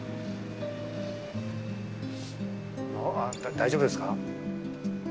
大丈夫ですか？